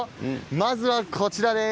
まずは、こちらです。